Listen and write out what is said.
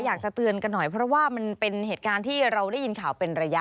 อยากจะเตือนกันหน่อยเพราะว่ามันเป็นเหตุการณ์ที่เราได้ยินข่าวเป็นระยะ